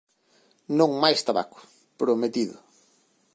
Non máis tabaco, prometido.